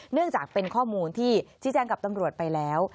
เนื่องจากเป็นข้อมูลที่ชี้แจ้งกับตำรวจไปแล้ว